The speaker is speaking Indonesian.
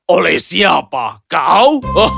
oleh siapa kau